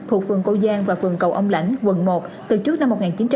thuộc vườn cô giang và vườn cầu ông lãnh vườn một từ trước năm một nghìn chín trăm chín mươi bốn